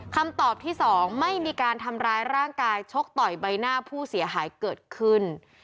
คำตอบที่๒ไม่มีการทำร้ายร่างกายชกต่อยใบหน้าผู้เสียหายเกิดขึ้น